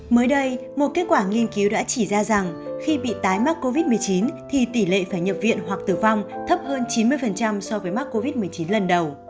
mới đây một kết quả nghiên cứu đã chỉ ra rằng khi bị tái mắc covid một mươi chín thì tỷ lệ phải nhập viện hoặc tử vong thấp hơn chín mươi so với mắc covid một mươi chín lần đầu